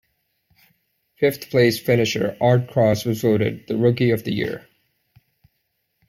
Fifth place finisher Art Cross was voted the Rookie of the Year.